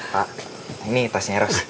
pak ini tasnya eros